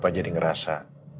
papa jadi ngerasa